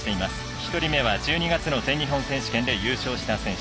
１人目は１２月の全日本選手権で優勝した選手。